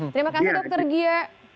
terima kasih dokter gia